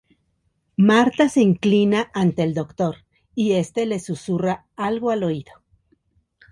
Martha se inclina ante el Doctor, y este le susurra algo al oído.